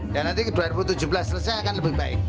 dan nanti ke dua ribu tujuh belas selesai akan lebih baik